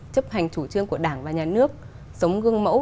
chấp hành chủ trương của đảng và nhà nước sống gương mẫu